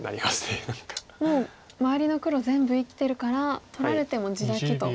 もう周りの黒全部生きてるから取られても地だけと。